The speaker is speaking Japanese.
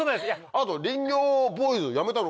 あと「林業ボーイズ！」やめたの？